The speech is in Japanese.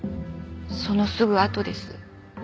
そのすぐあとです。